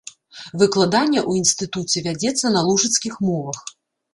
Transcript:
Выкладанне ў інстытуце вядзецца на лужыцкіх мовах.